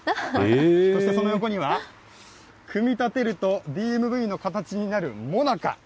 そしてその横には、組み立てると、ＤＭＶの形になるもなか。